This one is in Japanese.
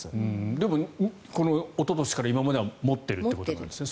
でも、おととしから今までは持っているということですね。